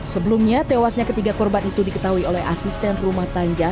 sebelumnya tewasnya ketiga korban itu diketahui oleh asisten rumah tangga